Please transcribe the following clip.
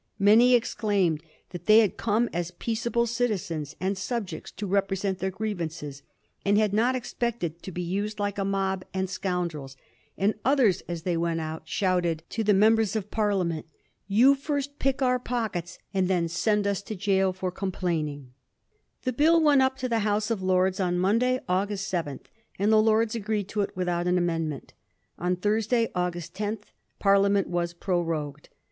Many exclaimed that they had come as peaceable citizens and subjects to represent their grievances, and had not expected to be used like a mob and scoundrels ; and others, as they went out, shouted Digiti zed by Google 1721 RELIEF MEASURES. 269 to the members of Parliament, * You first pick our pockets, and then send us to gaol for complaining/ The Bill went up to the House of Lords on Mon day, August 7, and the Lords agreed to it without an amendment. On Thursday, August 10, Parliament was prorogued.